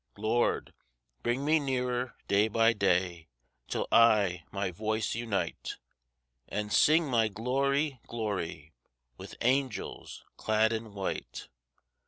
Lord, bring me nearer day by day, Till I my voice unite, And sing my Glory, glory, With angels clad in white.